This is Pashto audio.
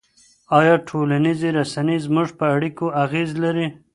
آیا ټولنیزې رسنۍ زموږ په اړیکو اغېز لري؟